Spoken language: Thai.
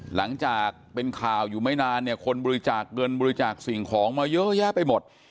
หลังจากเป็นข่าวอยู่ไม่นานเนี่ยคนบริจาคเงินบริจาคสิ่งของมาเยอะแยะไปหมด